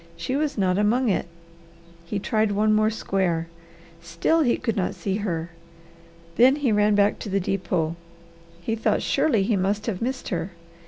She was not among it. He tried one more square. Still he could not see her. Then he ran back to the depot. He thought surely he must have missed her.